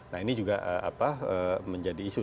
nah ini juga menjadi isu